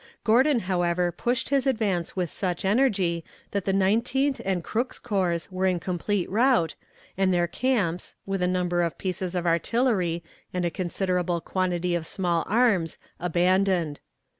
Gordon, however, pushed his advance with such energy, that the Nineteenth and Crook's corps were in complete rout, and their camps, with a number of pieces of artillery and a considerable quantity of small arms, abandoned.